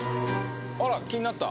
あら気になった。